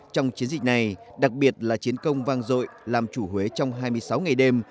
trong chiến dịch này đặc biệt là chiến công vang dội làm chủ huế trong hai mươi sáu ngày đêm